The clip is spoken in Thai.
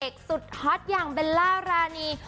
เอกสุดฮอตอย่างเบลล่ารานี